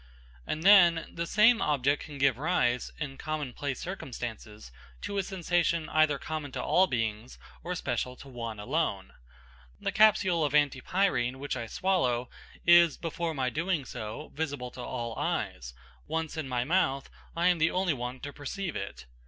And then, the same object can give rise, in common place circumstances, to a sensation either common to all beings or special to one alone. The capsule of antipyrine which I swallow is, before my doing so, visible to all eyes; once in my mouth, I am the only one to perceive it.